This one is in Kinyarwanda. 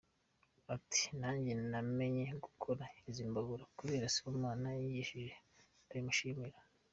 Ati “Nanjye namenye gukora izi mbabura kubera Sibomana yanyigishije, ndabimushimira.